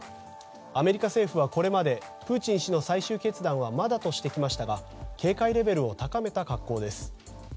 アメリカ政府はこれまでプーチン氏の最終決断はまだとしてきましたが警戒レベルを高めた格好です。